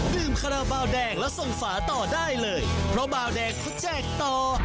ดื่มขนาดเบาแดงและส่งฝาต่อได้เลยเพราะเบาแดงเขาแจ้งต่อ